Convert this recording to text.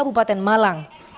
dan kebupaten malang